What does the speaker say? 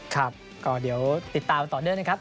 ครับก็เดี๋ยวติดตามต่อเนื่องนะครับ